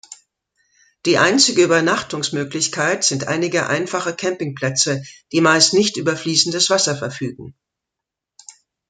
Die einzige Übernachtungsmöglichkeit sind einige einfache Campingplätze, die meist nicht über fließendes Wasser verfügen.